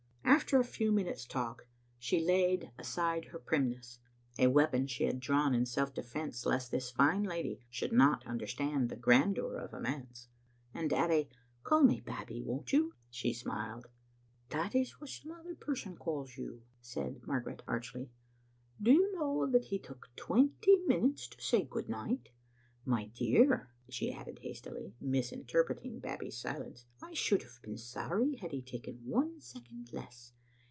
After a few minutes' talk she laid Digitized by VjOOQ IC 849 Vbe Kittle Atnfstet* aside her primness, a weapon she had drawn in self defence lest this fine lady should not understand the grandeur of a manse, and at a " Call me Babbie, won't you?" she smiled. "That is what some other person calls you," said Margaret archly. '* Do you know that he took twenty minutes to say good night? My dear," she added hast ily, misinterpreting Babbie's silence, "I should have been sorry had he taken one second less.